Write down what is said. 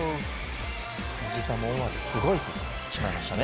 辻さんも思わずすごいと言ってしまいましたね。